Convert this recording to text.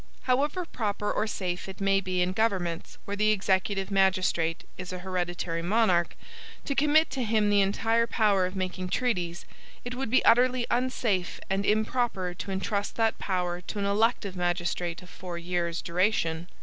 However proper or safe it may be in governments where the executive magistrate is an hereditary monarch, to commit to him the entire power of making treaties, it would be utterly unsafe and improper to intrust that power to an elective magistrate of four years' duration.